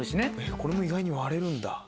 これも意外に割れるんだ。